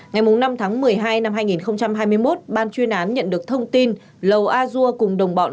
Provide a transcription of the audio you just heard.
ngày năm tháng một mươi hai năm hai nghìn hai mươi một ban chuyên án nhận được thông tin lầu a dua cùng đồng bọn